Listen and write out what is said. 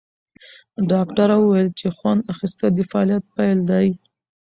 ډاکټره وویل چې خوند اخیستل د فعالیت پیل دی.